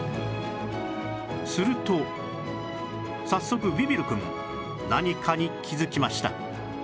すると早速ビビるくん何かに気づきました